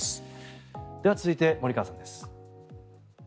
では、続いて森川さんです。